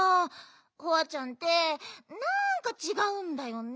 ホワちゃんってなんかちがうんだよね。